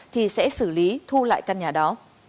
thì sẽ xử lý thu lại căn nhà đó